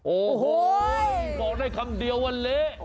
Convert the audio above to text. โอ้โหบอกได้คำเดียวว่าเละ